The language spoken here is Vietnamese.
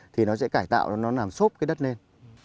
thì nó sẽ cải tạo cho nó làm xốp cái đất lên